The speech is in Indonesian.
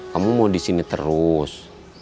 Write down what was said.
kamu mau disini terus